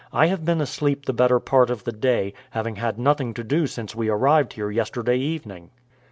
"I have been asleep the better part of the day, having had nothing to do since we arrived here yesterday evening."